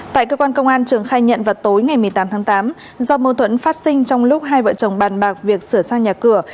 tại cơ quan công an trường khai nhận vào tối ngày một mươi tám tháng tám do mâu thuẫn phát sinh trong lúc hai vợ chồng bàn bạc việc sửa sang nhà cửa